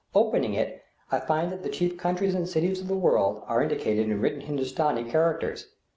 Opening it, I find that the chief countries and cities of the world are indicated in written Hindostani characters.